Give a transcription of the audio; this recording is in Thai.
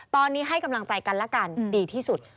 ตอนนี้ให้กำลังใจกันแล้วกันดีที่สุด